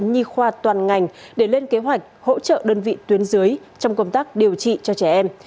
nhi khoa toàn ngành để lên kế hoạch hỗ trợ đơn vị tuyến dưới trong công tác điều trị cho trẻ em